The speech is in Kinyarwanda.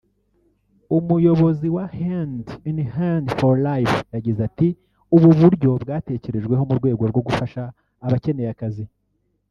umuyobozi wa ‘Hand in Hand for life’ yagize ati “ubu buryo bwatekerejweho mu rwego rwo gufasha abakeneye akazi